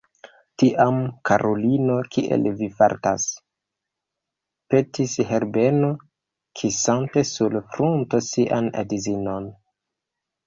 Tiam, karulino, kiel vi fartas? petis Herbeno, kisante sur frunto sian edzinon.